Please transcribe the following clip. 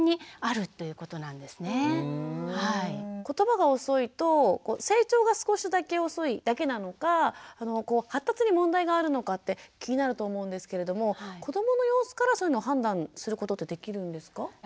ことばが遅いと成長が少しだけ遅いだけなのか発達に問題があるのかって気になると思うんですけれども子どもの様子からそういうの判断することってできるんですか？